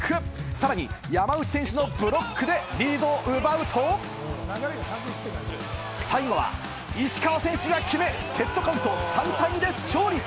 さらに山内選手のブロックでリードを奪うと、最後は石川選手が決め、セットカウント３対２で勝利。